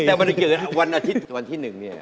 แต่วันอาทิตย์วันที่หนึ่งเนี่ย